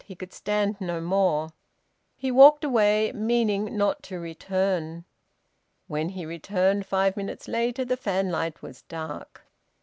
He could stand no more. He walked away, meaning not to return. When he returned, five minutes later, the fanlight was dark.